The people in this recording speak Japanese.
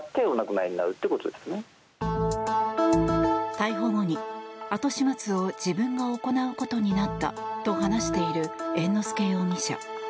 逮捕後に、後始末を自分が行うことになったと話している猿之助容疑者。